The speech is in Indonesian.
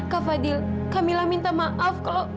kak fadil kamilah minta maaf kalau